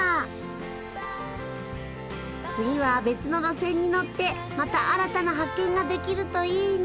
次は別の路線に乗ってまた新たな発見ができるといいな。